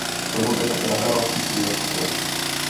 Provozuje také nahrávací studia Citron.